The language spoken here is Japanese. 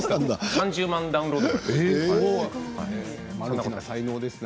３０万ダウンロードです。